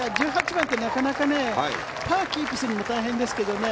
１８番ってなかなかパーをキープするのも大変ですけどね